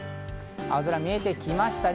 青空が見えてきましたね。